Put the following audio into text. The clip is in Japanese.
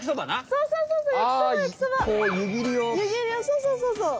そうそうそうそう！